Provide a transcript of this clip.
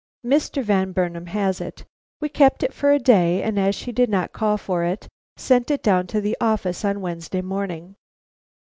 "Mr. Van Burnam has it. We kept it for a day and as she did not call for it, sent it down to the office on Wednesday morning."